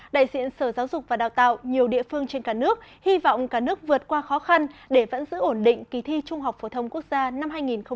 đại diện sở giáo dục và đào tạo nhiều địa phương trên cả nước hy vọng cả nước vượt qua khó khăn để vẫn giữ ổn định kỳ thi trung học phổ thông quốc gia năm hai nghìn một mươi tám